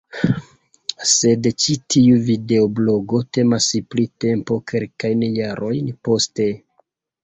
Sed ĉi tiu videoblogo temas pri tempo kelkajn jarojn poste.